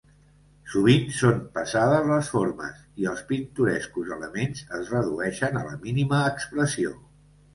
Sovint són pesades les formes, i els pintorescos elements es redueixen a la mínima expressió.